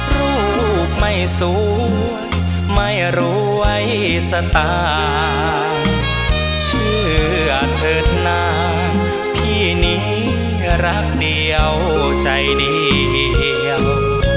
รูปไม่สวยไม่รวยสตางค์เชื่อเถิดหน้าพี่นี้รักเดียวใจเดียว